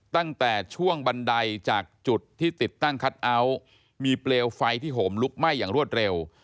ตั้งแต่ช่วงบันไดจากจุดที่ติดตั้งคัทเอาท์มีเปลวไฟที่โหมลุกไหม้อย่างรวดเร็ว